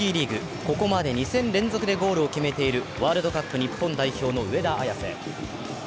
ここまで２戦連続でゴールを決めているワールドカップ日本代表の上田綺世。